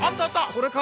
これか。